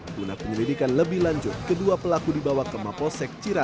guna penyelidikan lebih lanjut kedua pelaku dibawa ke maposek ciraca